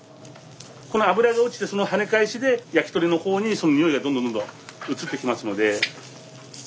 この脂が落ちてその跳ね返しで焼き鳥の方にそのにおいがどんどんどんどん移ってきますので。